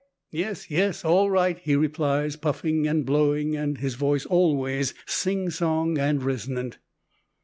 "Yes, yes, all right," he replies, puffing and blowing, and his voice always singsong and resonant.